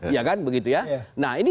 ya kan begitu ya nah ini